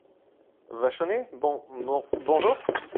Vachonnet Bon … bon … bonjour !